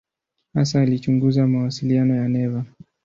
Hasa alichunguza mawasiliano ya neva.